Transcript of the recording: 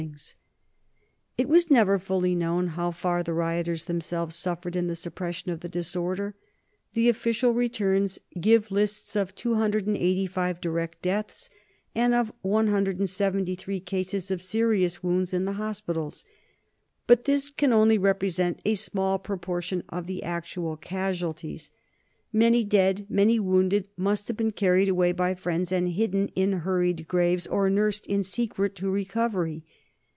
[Sidenote: 1780 Suppression of the Gordon Riots] It was never fully known how far the rioters themselves suffered in the suppression of the disorder. The official returns give lists of 285 direct deaths, and of 173 cases of serious wounds in the hospitals. But this can only represent a small proportion of the actual casualties. Many dead, many wounded, must have been carried away by friends and hidden in hurried graves, or nursed in secret to recovery.